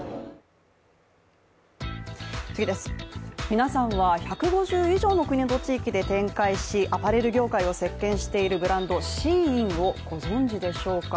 皆さんは１５０以上の国と地域で展開し、アパレル業界を席けんしているブランドＳＨＥＩＮをご存じでしょうか。